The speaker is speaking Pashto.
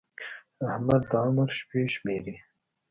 احمد د عمر شپې شمېري.